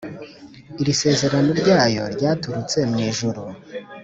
,Iri sezerano ryayo, Ryaturutse mw’ ijuru.